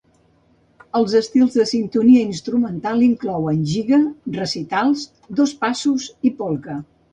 Els estils de sintonia instrumental inclouen giga, recitals, dos passos i polca.